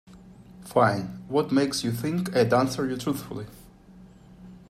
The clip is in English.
Fine, what makes you think I'd answer you truthfully?